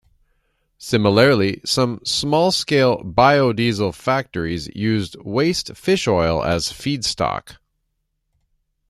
Similarly, some small-scale biodiesel factories use waste fish oil as feedstock.